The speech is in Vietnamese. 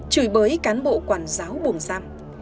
chửi bới cán bộ quản giáo buồng giam